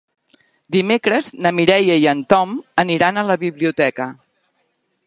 Dimecres na Mireia i en Tom aniran a la biblioteca.